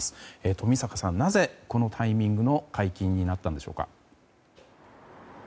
冨坂さん、なぜこのタイミングの解禁になったんでしょうか。